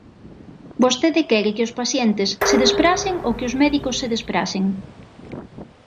¿Vostede quere que os pacientes se despracen ou que os médicos se despracen?